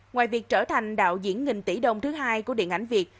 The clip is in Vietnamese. ngoài việc trở thành đạo diễn nghìn tỷ đồng thứ hai của điện ảnh việt